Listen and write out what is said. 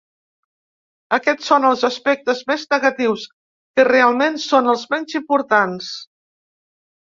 Aquests són els aspectes més negatius, que realment són els menys importants.